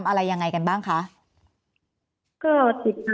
แอนตาซินเยลโรคกระเพาะอาหารท้องอืดจุกเสียดแสบร้อน